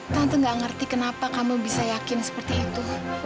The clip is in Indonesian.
tante tidak mengerti kenapa kamu bisa yakin seperti itu